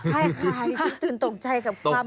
ใช่ค่ะชิคกี้พายตื่นตกใจกับความลึกลับ